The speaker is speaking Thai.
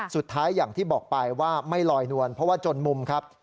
อย่างที่บอกไปว่าไม่ลอยนวลเพราะว่าจนมุมครับ